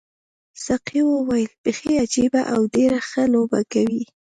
ساقي وویل بیخي عجیبه او ډېره ښه لوبه کوي.